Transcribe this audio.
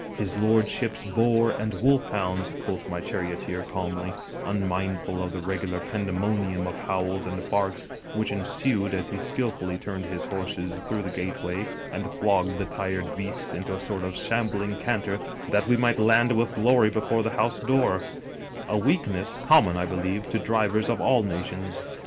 * His lordship's boar and wolf hounds,' quoth my charioteer calmly, unmindful of the regular pandemonium of howls and barks which ensued as he skillfully turned his horses through the gateway and flogged the tired beasts into a sort of shambling canter that we might land with glory before the house door: a weakness common, I be lieve, to drivers of all nations.